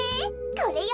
これよ。